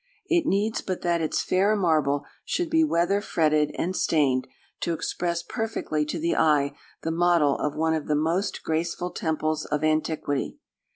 It needs but that its fair marble should be weather fretted and stained, to express perfectly to the eye the model of one of the most graceful temples of antiquity.